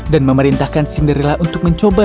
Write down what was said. dan memerintahkan cinderella untuk mencoba